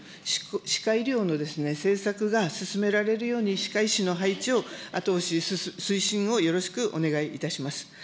歯科医療のですね、政策が進められるように、歯科医師の配置を後押し、推進をよろしくお願いいたします。